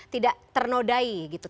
tidak ternodai gitu